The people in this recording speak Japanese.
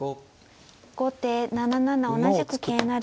後手７七同じく桂成。